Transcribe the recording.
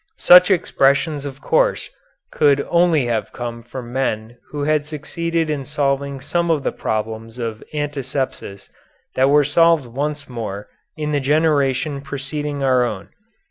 Such expressions of course could only have come from men who had succeeded in solving some of the problems of antisepsis that were solved once more in the generation preceding our own.